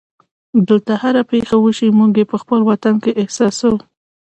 دلته هره پېښه وشي موږ یې په خپل وطن کې احساسوو.